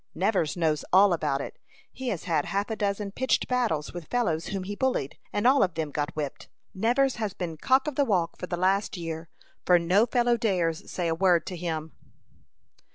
"Nevers knows all about it. He has had half a dozen pitched battles with fellows whom he bullied, and all of them got whipped. Nevers has been 'cock of the walk' for the last year, for no fellow dares say a word to him."